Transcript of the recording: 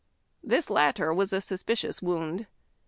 Tiiis latter was a suspicious wound.